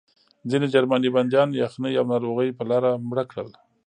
ځینې جرمني بندیان یخنۍ او ناروغۍ په لاره مړه کړل